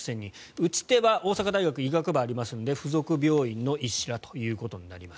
打ち手は大阪大学は医学部がありますので附属病院の医師らとなります。